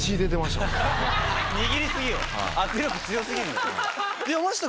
握りすぎよ握力強すぎる。